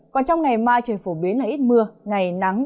còn trong ngày mai trời phổ biến là ít mưa